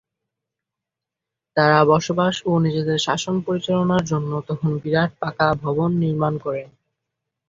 তারা বসবাস ও নিজেদের শাসন পরিচালনার জন্য তখন বিরাট পাকা ভবন নির্মাণ করেন।